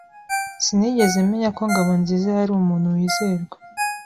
Sinigeze menya ko Ngabonziza yari umuntu wizerwa.